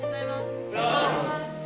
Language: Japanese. おはようございます。